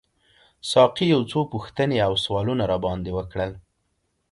ساقي یو څو پوښتنې او سوالونه راباندي وکړل.